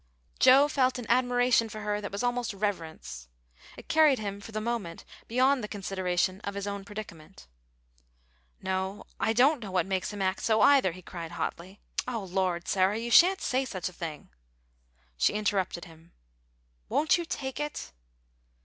Joe felt an admiration for her that was almost reverence. It carried him for the moment beyond the consideration of his own predicament. "No, I don't know what makes him act so either," he cried, hotly. "Oh Lord, Sarah, you sha'n't say such a thing!" She interrupted him. "Won't you take it?"